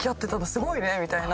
すごいね」みたいな。